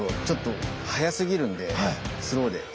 ちょっと速すぎるんでスローで。